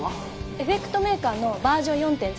エフェクト・メイカーのバージョン４．０